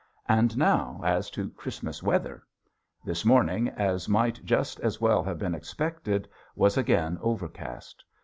And now as to Christmas weather. This morning, as might just as well have been expected, was again overcast.